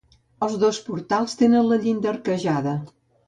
Els dos portals tenen la llinda arquejada.